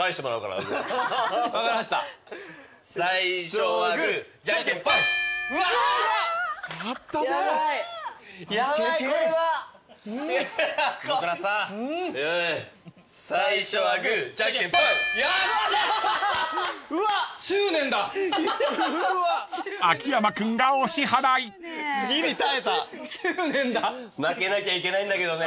負けなきゃいけないんだけどね。